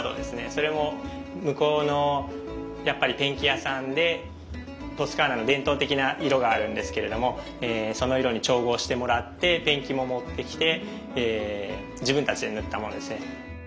それも向こうのやっぱりペンキ屋さんでトスカーナの伝統的な色があるんですけれどもその色に調合してもらってペンキも持ってきて自分たちで塗ったものですね。